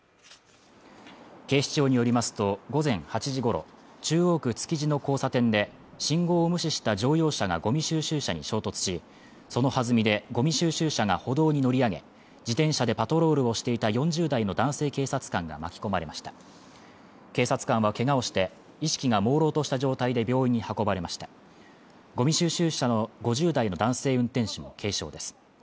警視庁によりますと午前８時ごろ中央区築地の交差点で信号を無視した乗用車がゴミ収集車に衝突しそのはずみでごみ収集車が歩道に乗り上げ自転車でパトロールをしていた４０代の男性警察官が巻き込まれました警察官はけがをして意識がもうろうとした状態で病院に運ばれましたごみ収集車の５０代の男性運転手も軽傷です